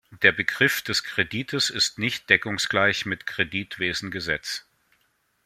Der Begriff des Kredites ist nicht deckungsgleich mit Kreditwesengesetz.